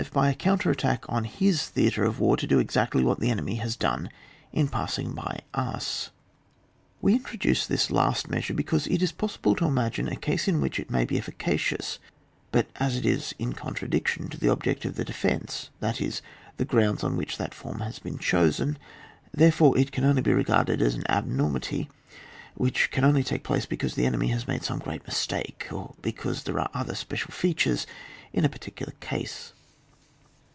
By a counter attack on his theatre of war, to do exactly what the enemy has done in passing by us. We introduce this last measure, be cause it is possible to imagine a case in which it may be efficacious ; but as it is in contradiction to the object of the de fence, that is, the grounds on which that form has been chosen, therefore it can only be regarded ae an abnormity, which can only take place because the enemy has made some great mistake, or because there are other special features in a par ticular case.